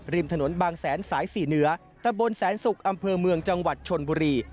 ริมถนนบางแสนสายสี่เหนือตะบนแสนศุกร์อำเภอเมืองจังหวัดชนบุรี